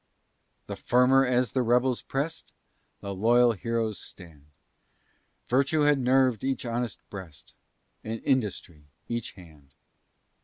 The firmer as the rebels press'd, The loyal heroes stand; Virtue had nerv'd each honest breast, And industry each hand.